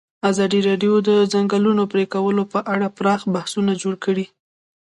ازادي راډیو د د ځنګلونو پرېکول په اړه پراخ بحثونه جوړ کړي.